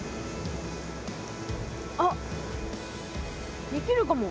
あっできるかも。